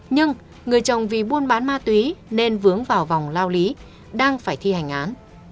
nhưng người chồng vì buôn bán ma túy nên vướng vào vòng lao lý đang phải thi hành án